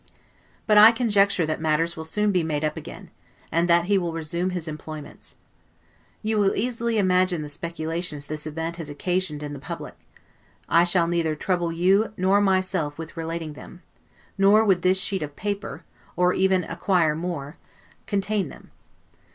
But I conjecture that matters will soon be made up again, and that he will resume his employments. You will easily imagine the speculations this event has occasioned in the public; I shall neither trouble you nor myself with relating them; nor would this sheet of paper, or even a quire more, contain them.